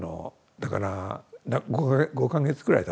だから５か月くらいたってから。